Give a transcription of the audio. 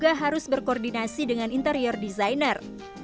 dan harus berkoordinasi dengan interior designer